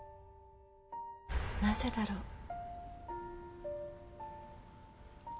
なぜだろう？